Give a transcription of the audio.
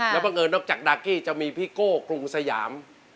แล้วบังเอิญนอกจากดากี้จะมีพี่โก้กรุงสยาม